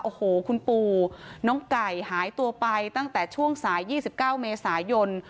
โอ้โหคุณปู่น้องไก่หายตัวไปตั้งแต่ช่วงสาย๒๙เมษายน